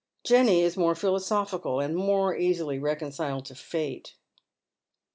Jenny is more philosophical, and more easily reconciled to Fate.